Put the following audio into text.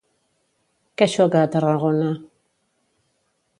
Què xoca a Tarragona?